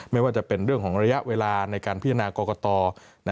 ไม่ว่าจะเป็นเรื่องของระยะเวลาในการพิจารณากรกต